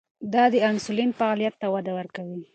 دا د انسولین فعالیت ته وده ورکوي.